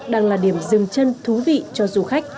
đang là điểm dừng chân thú vị cho du khách